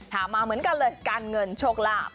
มาเหมือนกันเลยการเงินโชคลาภ